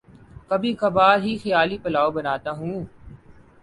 کبھی کبھار ہی خیالی پلاو بناتا ہوں